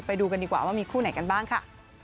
ไปดูกันดีกว่าว่ามีคู่ไหนกันบ้างค่ะ